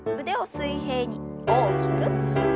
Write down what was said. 腕を水平に大きく。